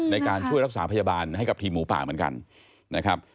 ในการช่วยรักษาพยาบาลให้กับทีมหมูป่าเหมือนกันนะครับ